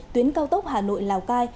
tuyến cao tốc hà nội lào cai